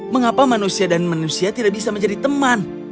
mengapa manusia dan manusia tidak bisa menjadi teman